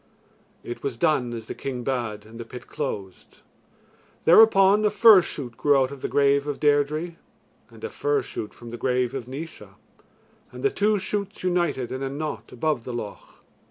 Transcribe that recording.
It was done as the king bade, and the pit closed. Thereupon a fir shoot grew out of the grave of Deirdre and a fir shoot from the grave of Naois, and the two shoots united in a knot above the loch.